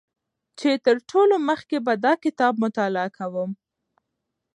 چې تر ټولو مخکې به دا کتاب مطالعه کوم